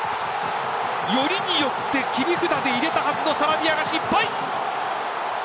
よりによって切り札で入れたはずのサラビアが失敗。